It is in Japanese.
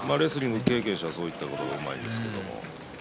レスリングの経験者はそういったことがうまいんです。